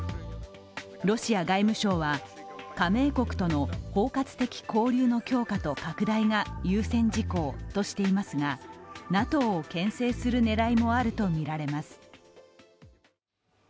ロシア外務省は、加盟国との包括的交流の強化と拡大が優先事項としていますがＮＡＴＯを牽制する狙いもあるとみられます。